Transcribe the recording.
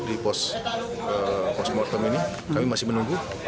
jadi pos komortom ini kami masih menunggu